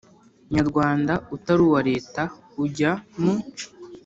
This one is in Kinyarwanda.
nyarwanda utari uwa Leta ujya mu